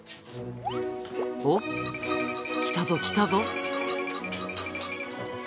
おっ？来たぞ、きたぞ。